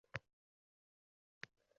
Sudralib keladi odim va odim.